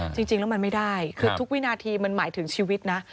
จริงแล้วมันไม่ได้คือทุกวินาทีมันหมายถึงชีวิตนะ